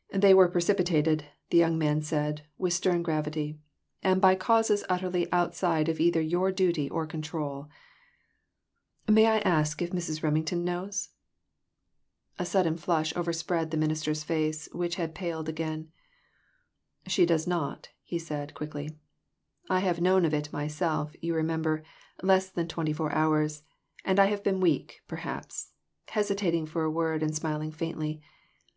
" They were precipitated," the young man said, with stern gravity, "and by causes utterly out side of either your duty or control. May I ask if Mrs. Remington knows ?" A sudden flush overspread the minister's face, which had paled again. "She does not," he said, quickly ;" I have known of it myself, you remem ber, less than twenty four hours ; and I have been weak, perhaps," hesitating for a word, and smiling faintly.